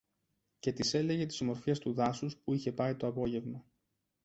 και της έλεγε τις ομορφιές του δάσους που είχε πάει το απόγευμα.